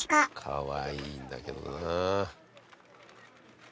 かわいいんだけどな。